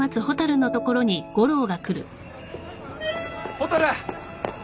・蛍！